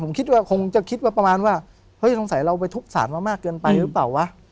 ผมคิดว่าคงจะคิดว่าประมาณว่าเฮ้ยสงสัยเราไปทุบสารมามากเกินไปหรือเปล่าวะ